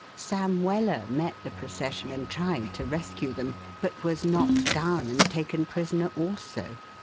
Sam Weller met the procession and tried to rescue them, but was knocked down and taken prisoner also.